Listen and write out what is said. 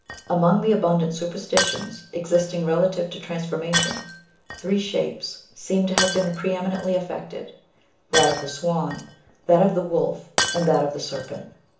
Among the abundant superstitions existing relative to transformation, three shapes seem to have been pre eminently affected — ^that of the swan, that of the wolf, and that of the serpent.